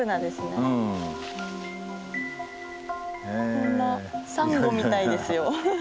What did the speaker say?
こんなサンゴみたいですよ。